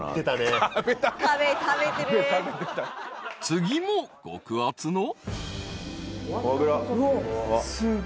［次も極厚の］